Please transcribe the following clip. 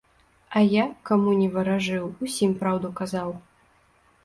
А я, каму ні варажыў, усім праўду казаў.